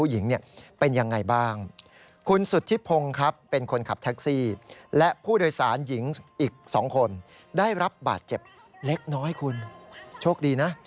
โชคดีนะโชคดีมาก